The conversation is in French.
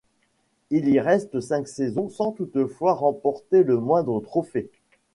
Il y reste cinq saisons sans toutefois remporter le moindre trophée.